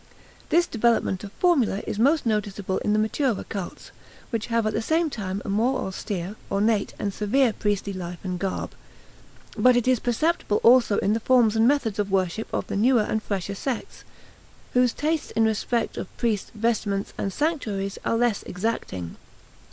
This development of formula is most noticeable in the maturer cults, which have at the same time a more austere, ornate, and severe priestly life and garb; but it is perceptible also in the forms and methods of worship of the newer and fresher sects, whose tastes in respect of priests, vestments, and sanctuaries are less exacting.